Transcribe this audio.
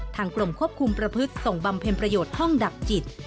กรมควบคุมประพฤติส่งบำเพ็ญประโยชน์ห้องดับจิต